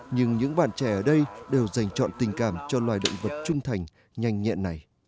nhưng những bạn trẻ ở đây đều dành chọn tình cảm cho loài động vật trung thành nhanh nhẹn này